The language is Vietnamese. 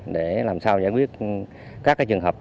để làm sao giải quyết các trường hợp